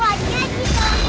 bacanya di belakang